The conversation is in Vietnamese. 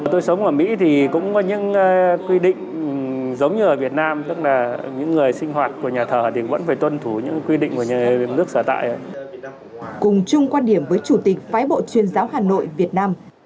tôi sống ở mỹ thì cũng có những quy định giống như ở việt nam